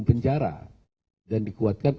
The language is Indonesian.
penjara dan dikuatkan